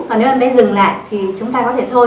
còn nếu em bé dừng lại thì chúng ta có thể thôi